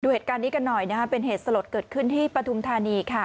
เหตุการณ์นี้กันหน่อยนะคะเป็นเหตุสลดเกิดขึ้นที่ปฐุมธานีค่ะ